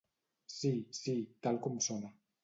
Sí, sí, tal com sona.